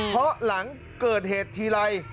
เพราะหลังเกิดเหตุทีไร